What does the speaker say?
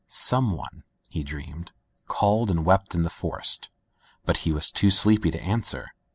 ... Some one (he dreamed) called and wept in the forest, but he was too sleepy to answer.